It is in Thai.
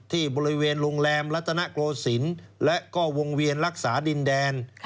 ที่บริเวณโรงแรมรัตนโกศิลป์และก็วงเวียนรักษาดินแดน